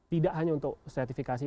tidak hanya untuk sertifikasi